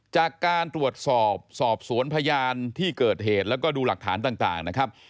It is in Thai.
จากการตรวจสอบสอบสวนพยานที่เกิดเหตุแล้วก็ดูหลักฐานต่างนะครับ